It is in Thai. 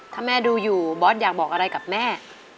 ถ้าแม่ดูอยู่บอสอยากบอกอะไรกับแม่